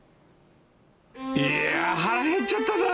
いやぁ、腹減っちゃったなぁ。